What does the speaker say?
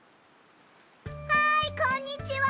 はいこんにちは！